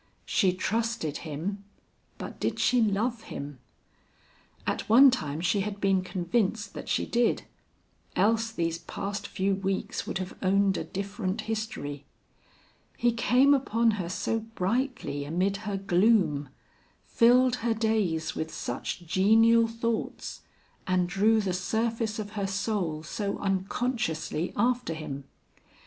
She trusted him, but did she love him? At one time she had been convinced that she did, else these past few weeks would have owned a different history. He came upon her so brightly amid her gloom; filled her days with such genial thoughts, and drew the surface of her soul so unconsciously after him.